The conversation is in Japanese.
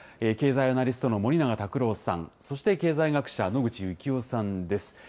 経済アナリストの森永卓郎さん、そして経済学者、野口悠紀雄さんです。